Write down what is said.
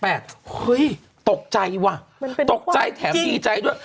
มันเป็นความจริงจริงด้วยตกใจแถมดีใจด้วย